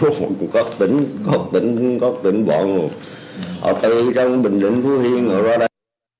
họ cũng có tỉnh có tỉnh có tỉnh bọn họ tìm trong bình dân phú thiên họ ra đây